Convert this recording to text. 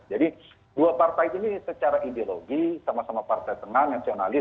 jadi dua partai ini secara ideologi sama sama partai tenang nasionalis